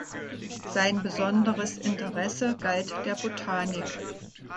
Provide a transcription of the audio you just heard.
Sein besonderes Interesse galt der Botanik.